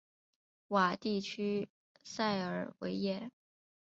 瓦地区塞尔维耶。